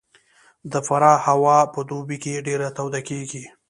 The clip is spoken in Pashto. د فراه هوا په دوبي کې ډېره توده کېږي